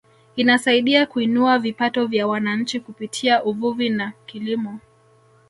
Inasaidia kuinua vipato vya wananchi kupitia uvuvi na kilimo